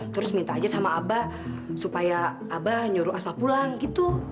terus minta aja sama abah supaya abah nyuruh asma pulang gitu